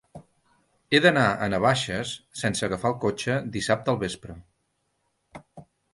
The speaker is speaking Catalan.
He d'anar a Navaixes sense agafar el cotxe dissabte al vespre.